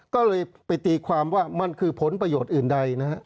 ก็เลยไปตีความว่ามันคือผลประโยชน์อื่นใดนะฮะ